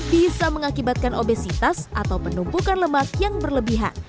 bisa mengakibatkan obesitas atau penumpukan lemak yang berlebihan